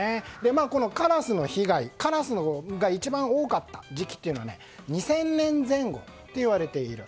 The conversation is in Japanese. このカラスの被害カラスが一番多かった時期は２０００年前後といわれている。